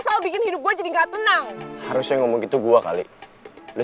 soal bikin hidup gue jadi gak tenang harusnya ngomong gitu gua kali